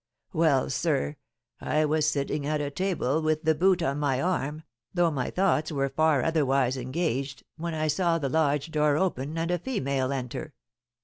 Well, sir, I was sitting at a table with the boot on my arm, though my thoughts were far otherwise engaged, when I saw the lodge door open and a female enter.